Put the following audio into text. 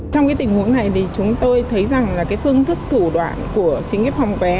trong cái tình huống này thì chúng tôi thấy rằng là cái phương thức thủ đoạn của chính cái phòng vé